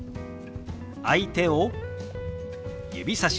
相手を指さします。